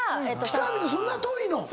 北見ってそんな遠いの⁉